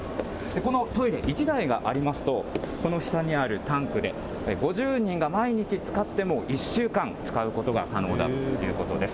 このトイレ、１台がありますと、この下にあるタンクで、５０人が毎日使っても、１週間使うことが可能だということです。